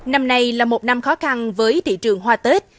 năm nay là một năm khó khăn với thị trường hoa tết